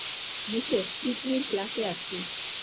Mrs হুইটনির ক্লাসে আছি।